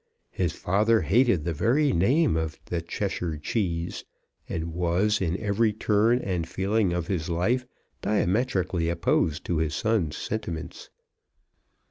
His father hated the very name of the Cheshire Cheese, and was, in every turn and feeling of his life, diametrically opposed to his son's sentiments.